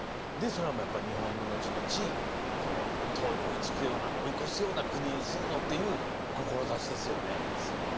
それはやっぱり日本の後々唐に追いつくような追い越すような国にするぞっていう志ですよね。ですよね。